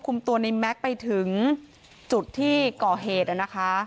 คุมตัวในแม็กซ์ไปถึงจุดที่ก่อเหตุนะคะ